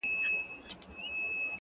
هغه نجلۍ مي اوس پوښتنه هر ساعت کوي ـ